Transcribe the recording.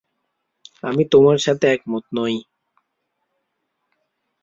আমি তোমার সাথে একমত নই।